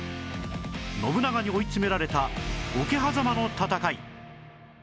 信長に追い詰められた桶狭間の戦い